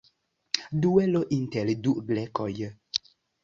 Duelo inter du grekoj.